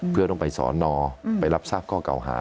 เพื่อต้องไปสอนอไปรับทราบข้อเก่าหา